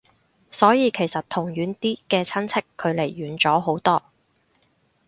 所以其實同遠啲嘅親戚距離遠咗好多